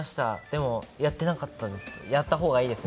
でも、やってなかったです。